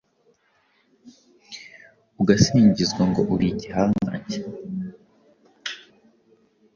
ugasingizwa ngo uri igihangange